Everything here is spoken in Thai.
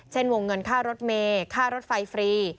เช่นวงเงินค่ารถเมย์ค่ารถไฟฟรี